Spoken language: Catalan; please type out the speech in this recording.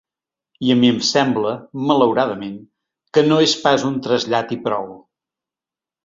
I a mi em sembla, malauradament, que no és pas un trasllat i prou.